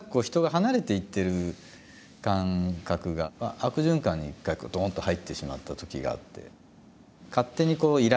悪循環に一回ドンと入ってしまったときがあって。